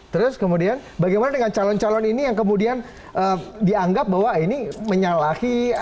terus kemudian bagaimana dengan calon calon ini yang kemudian dianggap bahwa ini menyalahi